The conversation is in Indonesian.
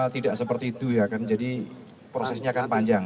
tidak seperti itu ya kan jadi prosesnya kan panjang